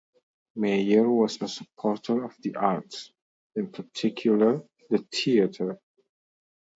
Meyer was a supporter of the arts, in particular the theater.